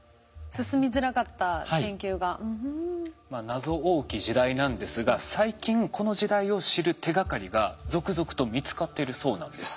謎多き時代なんですが最近この時代を知る手がかりが続々と見つかっているそうなんです。